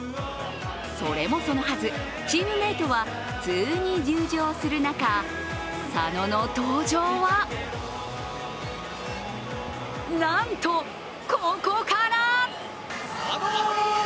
それもそのはず、チームメートは普通に入場する中、佐野の登場はなんとここから！